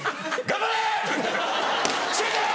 頑張れ！